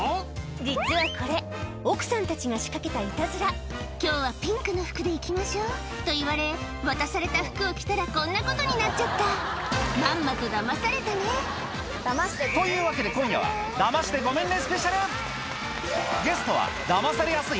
実はこれ奥さんたちが仕掛けたいたずら「今日はピンクの服で行きましょう」と言われ渡された服を着たらこんなことになっちゃったまんまとダマされたね！というわけで今夜はゲストはダマされやすい？